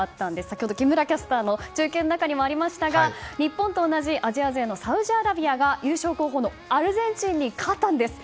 先ほど木村キャスターの中継の中にもありましたが日本と同じアジア勢のサウジアラビアが優勝候補のアルゼンチンに勝ったんです。